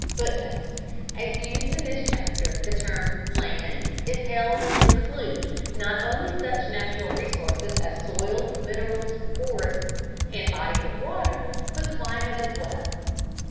[Footnote: As used in this chapter the term "land" is held to include not only such natural resources as soil, minerals, forests, and bodies of water, but climate as well.